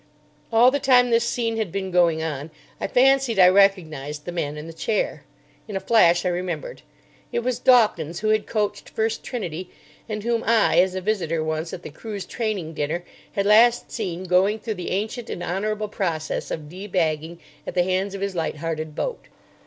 All the time this scene had been going on, I fancied I recognised the man in the chair. In a flash I remembered. It was Dawkins who had coached First Trinity, and whom I, as a visitor once at the crew's training dinner, had last seen going through the ancient and honourable process of de bagging at the hands of his light hearted boat.